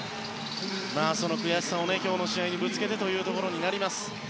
その悔しさを今日の試合にぶつけてということになります。